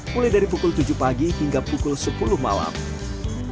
mulai dari pukul tujuh pagi hingga pukul sepuluh malam